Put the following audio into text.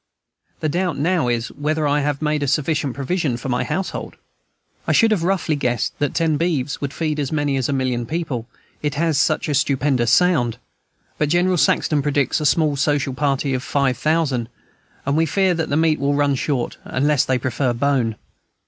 The doubt now is, whether I have made a sufficient provision for my household. I should have roughly guessed that ten beeves would feed as many million people, it has such a stupendous sound; but General Saxton predicts a small social party of five thousand, and we fear that meat will run short, unless they prefer bone.